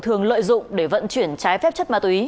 thường lợi dụng để vận chuyển trái phép chất ma túy